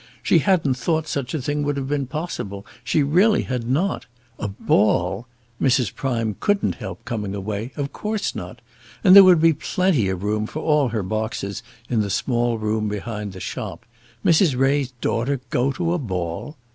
She hadn't thought such a thing would have been possible; she really had not. A ball! Mrs. Prime couldn't help coming away; of course not. And there would be plenty of room for all her boxes in the small room behind the shop. Mrs. Ray's daughter go to a ball!"